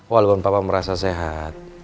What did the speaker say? walaupun papa merasa sehat